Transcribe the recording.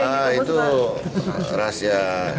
ah itu rahasia